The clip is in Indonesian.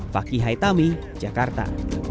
fakih haithami jakarta